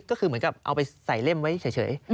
ก็คือเหมือนกับเอาไปใส่เล่มไว้เฉย